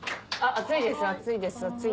熱いです熱いです。